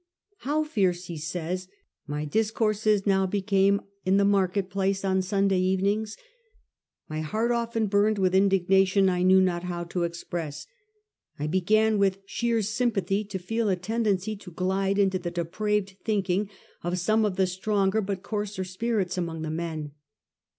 ' How fierce,' he says, * my discourses became now in the Market Place on Sunday evenings ! My heart often burned with indignation I knew not how to express. I began from sheer sympathy to feel a tendency to glide into the depraved thinking of some of the stronger but coarser spirits among the men.